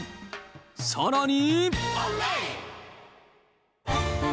さらに。